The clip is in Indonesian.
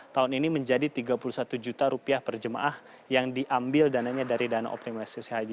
tahun ini menjadi rp tiga puluh satu juta rupiah per jemaah yang diambil dananya dari dana optimalisasi haji